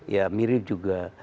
ya mirip juga